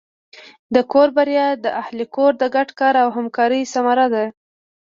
د کور بریا د اهلِ کور د ګډ کار او همکارۍ ثمره ده.